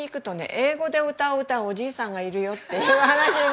英語で歌を歌うおじいさんがいるよっていう話になって。